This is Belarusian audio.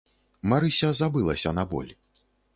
Марыся забылася на боль.